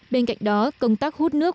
bên cạnh đó công tác hút nước